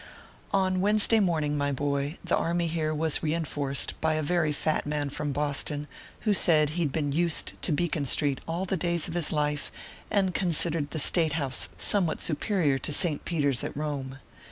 On Wednesday morning, my boy, the army here was reenforced by a very fat man from Boston, who said he d been used to Beacon street all the days of his life, and considered the State House somewhat superior to St. Peter s at Rome.